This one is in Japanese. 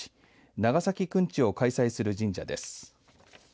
長崎くんちを開催する神社です。